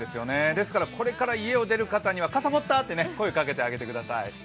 ですからこれから家を出る方には傘持った？と声をかけてあげてください。